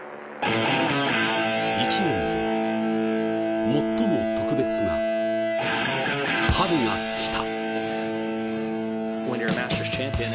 １年で最も特別な春が来た。